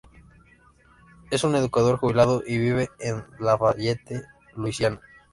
Es un educador jubilado, y vive en Lafayette, Louisiana.